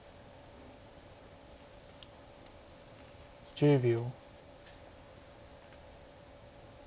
１０秒。